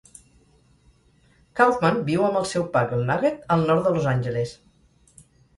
Kaufman viu amb el seu puggle Nugget al nord de Los Angeles.